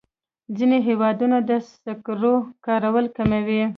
ځینې هېوادونه د سکرو کارول کموي.